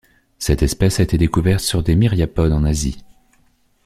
Cette espèce a été découverte sur des myriapodes en Asie.